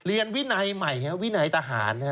ไปเรียนวินัยใหม่วินัยตาหารครับ